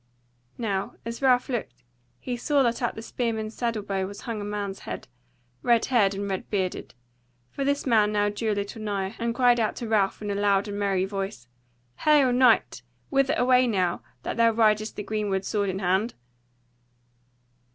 Now, as Ralph looked, he saw that at the spearman's saddle bow was hung a man's head, red haired and red bearded; for this man now drew a little nigher, and cried out to Ralph in a loud and merry voice: "Hail, knight! whither away now, that thou ridest the green wood sword in hand?"